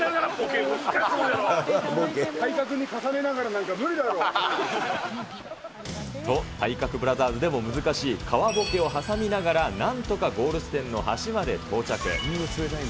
体格に重ねながらなんか無理と、体格ブラザーズでも難しい川ボケを挟みながらなんとかゴール地点の橋まで到着。